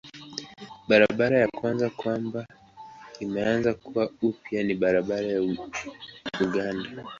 Barabara ya kwanza kwamba imeanza kuwa upya ni barabara ya Uganda.